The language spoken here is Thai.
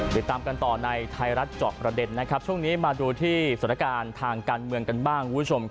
ติดตามกันต่อในไทยรัฐจอกระเด็นนะครับช่วงนี้มาดูที่สถานการณ์ทางการเมืองกันบ้าง